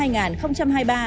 đầu năm hai nghìn hai mươi ba